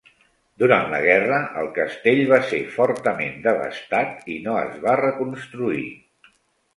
Durant la guerra el castell va ser fortament devastat i no es va reconstruir.